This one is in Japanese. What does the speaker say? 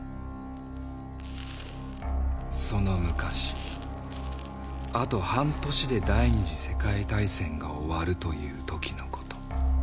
その昔あと半年で第２次世界大戦が終わるというときのこと。